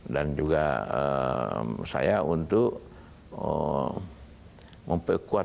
dan juga saya untuk memperkuat